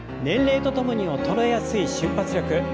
年齢とともに衰えやすい瞬発力。